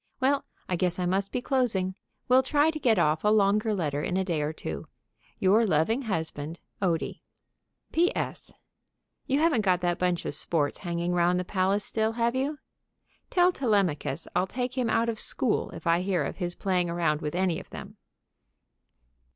Well, I guess I must be closing. Will try to get off a longer letter in a day or two. Your loving husband, ODIE. P.S. You haven't got that bunch of sports hanging round the palace still, have you? Tell Telemachus I'll take him out of school if I hear of his playing around with any of them.